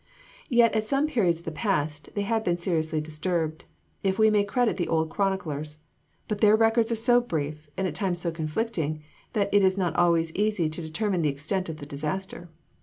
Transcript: Yet at some periods of the past they have been seriously disturbed, if we may credit the old chroniclers; but their records are so brief, and at times so conflicting, that it is not always easy to determine the extent of the disaster.